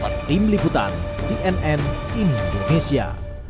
tim liputan cnn indonesia